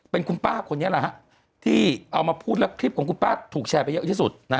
เป็นคุณป้าคนนี้แหละฮะที่เอามาพูดแล้วคลิปของคุณป้าถูกแชร์ไปเยอะที่สุด